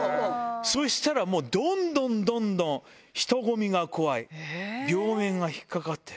そうしたらもう、どんどんどんどん、人混みが怖い、病名が引っ掛かってる。